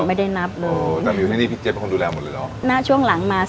อ๋อภายในเมืองเลยครับ